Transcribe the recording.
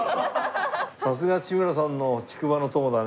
さすが志村さんの竹馬の友だね。